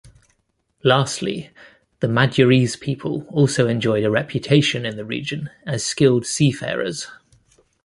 Lastly, the Madurese people also enjoyed a reputation in the region as skilled seafarers.